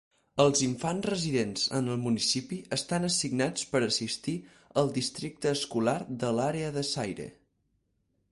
Els infants residents en el municipi estan assignats per assistir al districte escolar de l'àrea de Sayre.